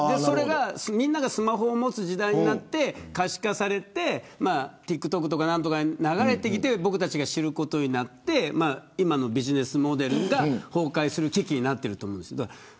みんながスマホを持つ時代になって可視化されてＴｉｋＴｏｋとかに流れてきて僕たちが知ることになって今のビジネスモデルが崩壊する危機になっていると思うんです。